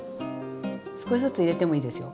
少しずつ入れてもいいですよ